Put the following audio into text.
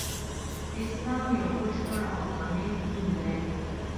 اسلام يو بشپړ او کامل دين دی